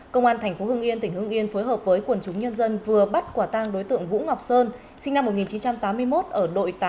công an tp hưng yên tỉnh hưng yên phối hợp với quần chúng nhân dân vừa bắt quả tang đối tượng vũ ngọc sơn sinh năm một nghìn chín trăm tám mươi một ở đội tám